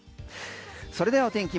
それではお天気。